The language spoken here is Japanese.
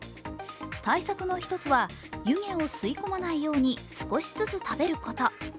対策の一つは湯気を吸い込まないように少しずつ食べること。